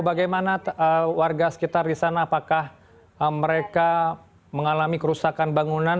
bagaimana warga sekitar di sana apakah mereka mengalami kerusakan bangunan